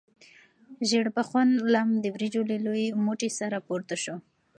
ژیړبخون لم د وریجو له لوی موټي سره پورته شو.